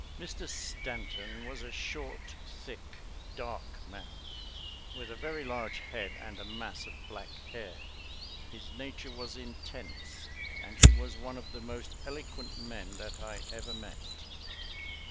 Mr. Stanton was a short, thick, dark man, with a very large head and a mass of black hair. His nature was intense, and he was one of the most eloquent men that I ever met.